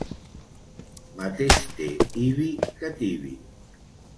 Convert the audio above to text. Mateix té Ibi que Tibi.